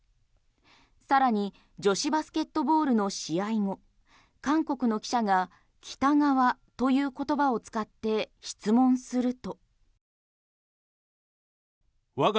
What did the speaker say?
さらに女子バスケットボールの試合を韓国の記者が北側という言葉を使って質問すると。